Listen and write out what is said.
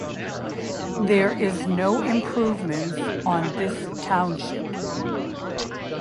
There is no improvements on this Township.